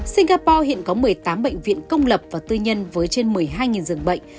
singapore hiện có một mươi tám bệnh viện công lập và tư nhân với trên một mươi hai dường bệnh